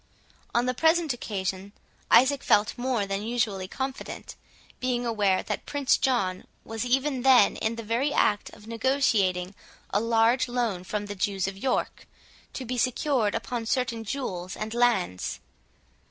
On the present occasion, Isaac felt more than usually confident, being aware that Prince John was even then in the very act of negotiating a large loan from the Jews of York, to be secured upon certain jewels and lands.